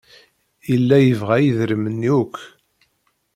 Yella yebɣa idrimen-nni akk.